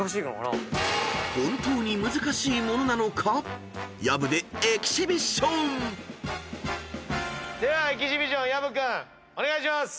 ［本当に難しいものなのか薮でエキシビション］ではエキシビション薮君お願いします。